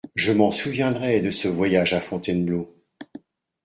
Je m’en souviendrai, de ce voyage à Fontainebleau !…